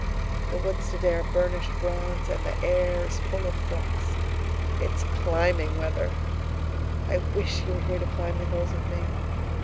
The woods today are burnished bronze and the air is full of frost. It's CLIMBING weather. I wish you were here to climb the hills with me.